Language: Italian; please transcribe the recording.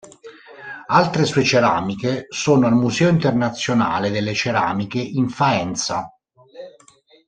Altre sue ceramiche sono al Museo internazionale delle ceramiche in Faenza.